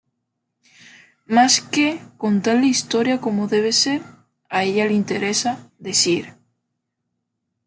Más que "contar la historia como debe ser", a ella le interesa "decir".